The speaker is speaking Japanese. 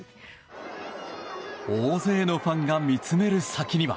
大勢のファンが見つめる先には。